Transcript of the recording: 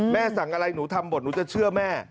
สั่งอะไรหนูทำหมดหนูจะเชื่อแม่